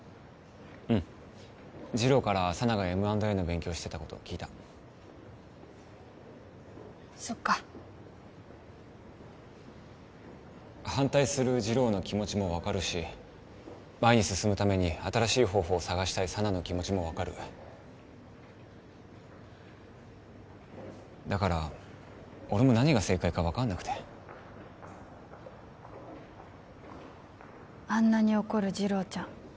うん次郎から佐奈がＭ＆Ａの勉強してたこと聞いたそっか反対する次郎の気持ちも分かるし前に進むために新しい方法を探したい佐奈の気持ちも分かるだから俺も何が正解か分かんなくてあんなに怒る次郎ちゃん